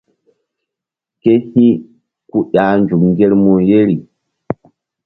Ke hi̧ ku ƴah nzuk ŋgermu yeri.